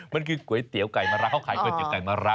มันคือก๋วยเตี๋ยวไก่มะระเขาขายก๋วเตี๋ไก่มะระ